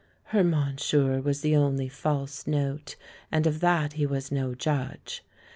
Her "monsieur" was the only false note, and of that he was no judge.